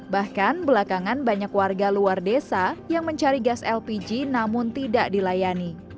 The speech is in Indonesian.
bahkan belakangan banyak warga luar desa yang mencari gas lpg namun tidak dilayani